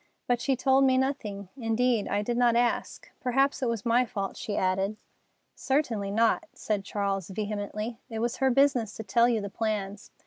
"But she told me nothing. Indeed, I did not ask. Perhaps it was my fault," she added. "Certainly not," said Charles vehemently. "It was her business to tell you the plans.